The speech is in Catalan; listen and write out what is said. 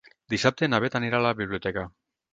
Dissabte na Bet anirà a la biblioteca.